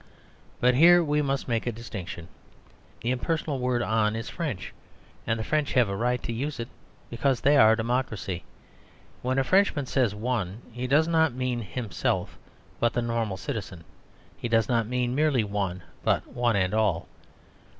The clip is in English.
But here we must make a distinction. The impersonal word on is French, and the French have a right to use it, because they are a democracy. And when a Frenchman says "one" he does not mean himself, but the normal citizen. He does not mean merely "one," but one and all.